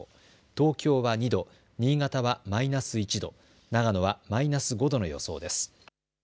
東京は２度、新潟はマイナス１度、長野はマイナス５度の予想です。